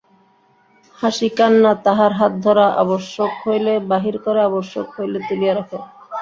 হাসি কান্না তাহার হাতধরা, আবশ্যক হইলে বাহির করে, আবশ্যক হইলে তুলিয়া রাখে।